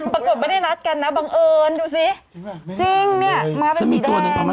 ประเกิดไม่ได้รับกันนะบังเอิญดูสิจริงเนี้ยมาเป็นสีแดงฉันมีตัวหนึ่งเอาไหม